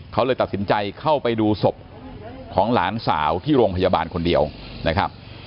เขาเลยตัดสินใจเข้าไปดูศพของหลานสาวที่โรงพยาบาลคนเดียวนะครับ